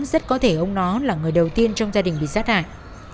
rất có thể ông nó là người đầu tiên trong gia đình bị sát hại